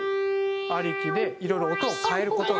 ありきでいろいろ音を変える事が。